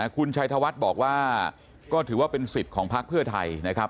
คุณชัยธวัฒน์บอกว่าก็ถือว่าเป็นสิทธิ์ของพักเพื่อไทยนะครับ